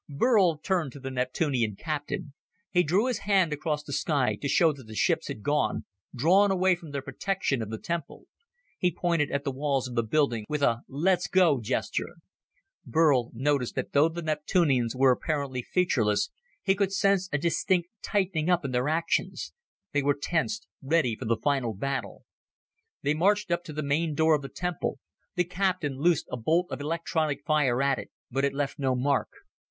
Burl turned to the Neptunian captain. He drew his hand across the sky to show that the ships had gone, drawn away from their protection of the temple. He pointed at the walls of the building with a "let's go" gesture. Burl noticed that though the Neptunians were apparently featureless, he could sense a distinct tightening up in their actions. They were tensed, ready for the final battle. They marched up to the main door of the temple. The captain loosed a bolt of electronic fire at it, but it left no mark.